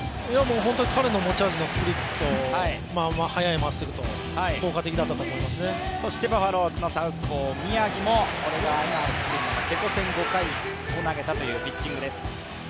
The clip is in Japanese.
本当に彼の持ち味のスプリット、速いまっすぐとそしてバファローズのサウスポー、宮城もこれがチェコ戦５回を投げたピッチングです。